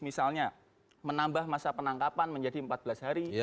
misalnya menambah masa penangkapan menjadi empat belas hari